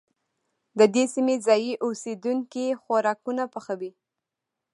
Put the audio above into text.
د دې سيمې ځايي اوسيدونکي خوراکونه پخوي.